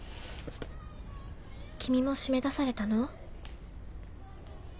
君も閉め出されたの？